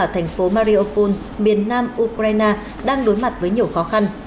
ở thành phố mariophon miền nam ukraine đang đối mặt với nhiều khó khăn